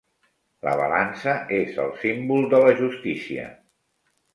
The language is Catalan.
La balança és el símbol de la justícia.